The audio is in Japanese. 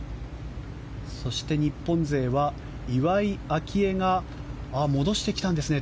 そして、日本勢は岩井明愛が戻してきたんですね。